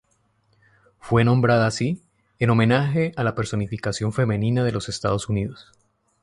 Fue nombrada así en homenaje a la personificación femenina de los Estados Unidos.